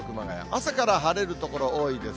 朝から晴れる所多いです。